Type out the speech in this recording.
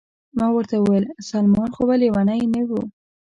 ما ورته وویل: سلمان خو به لیونی نه و؟